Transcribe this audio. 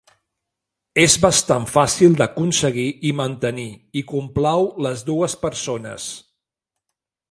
És bastant fàcil d'aconseguir i mantenir, i complau les dues persones.